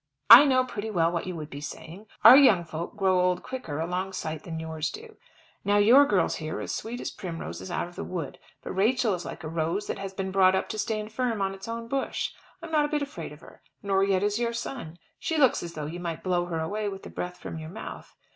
"I know pretty well what you would be saying. Our young folk grow old quicker a long sight than yours do. Now your girls here are as sweet as primroses out of the wood. But Rachel is like a rose that has been brought up to stand firm on its own bush. I'm not a bit afraid of her. Nor yet is your son. She looks as though you might blow her away with the breath from your mouth.